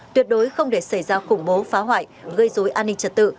tuyệt đối không để xảy ra khủng bố phá hoại gây dối an ninh trật tự